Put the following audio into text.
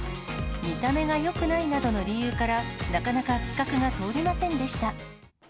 見た目がよくないなどの理由から、なかなか企画が通りませんでした。